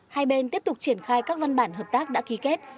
hai bên tiếp tục triển khai các văn bản hợp tác đã ký kết